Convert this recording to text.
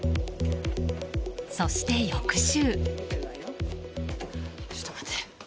そして翌週。